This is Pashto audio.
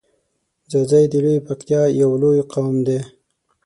ځاځی د لویی پکتیا یو لوی قوم دی.